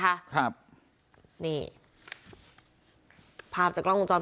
แซ็คเอ้ยเป็นยังไงไม่รอดแน่